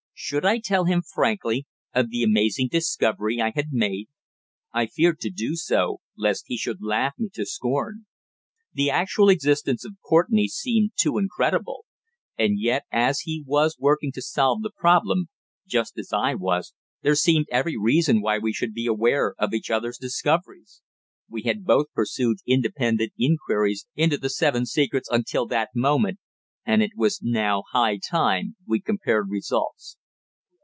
Should I tell him frankly of the amazing discovery I had made? I feared to do so, lest he should laugh me to scorn. The actual existence of Courtenay seemed too incredible. And yet as he was working to solve the problem, just as I was, there seemed every reason why we should be aware of each other's discoveries. We had both pursued independent inquiries into the Seven Secrets until that moment, and it was now high time we compared results.